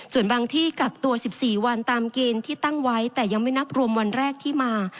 ส่วนบางที่กักตัว๑๔วันตามเกณฑ์ที่ตั้งไว้แต่ยังไม่นับรวมวันแรกที่มา